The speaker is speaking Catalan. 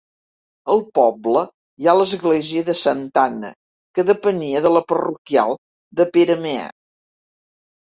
Al poble hi ha l'església de Santa Anna, que depenia de la parroquial de Peramea.